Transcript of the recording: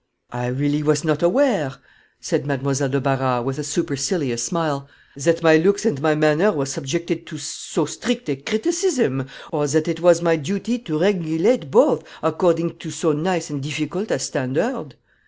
"I really was not aware," said Mademoiselle de Barras, with a supercilious smile, "that my looks and my manner were subjected to so strict a criticism, or that it was my duty to regulate both according to so nice and difficult a standard."